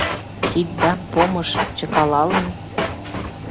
Киддам помыш чыкалалын